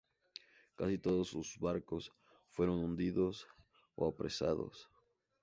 Casi todos sus barcos fueron hundidos o apresados.